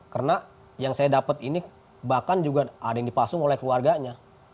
karena yang saya dapat ini bahkan juga ada yang dipasung oleh keluarganya